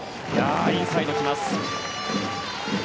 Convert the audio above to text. インサイド来ます。